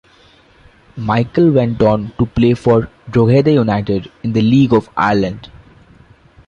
Michael went on to play for Drogheda United in the League of Ireland.